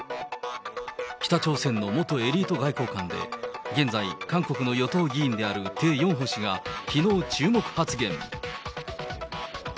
北朝鮮の元エリート外交官で、現在、韓国の与党議員であるテ・ヨンホ氏が、きのう注目発言。